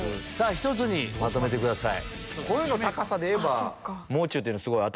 １つにまとめてください。